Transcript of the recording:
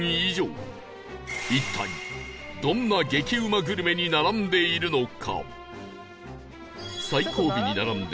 一体どんな激うまグルメに並んでいるのか？